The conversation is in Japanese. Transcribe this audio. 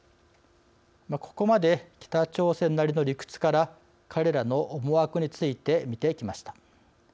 ここまで、北朝鮮なりの理屈から彼らの思惑について見ていきました。